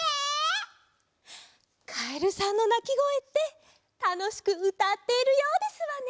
カエルさんのなきごえってたのしくうたっているようですわね。